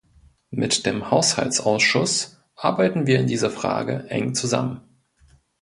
Mit dem Haushaltsausschuss arbeiten wir in dieser Frage eng zusammen.